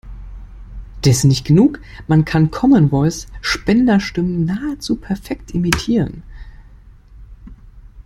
Dessen nicht genug: Man kann Common Voice Spenderstimmen nahezu perfekt imitieren.